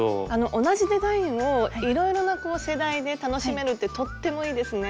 同じデザインをいろいろな世代で楽しめるってとってもいいですね。